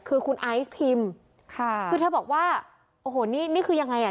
คือคุณไอซ์พิมพ์ค่ะคือเธอบอกว่าโอ้โหนี่นี่คือยังไงอ่ะ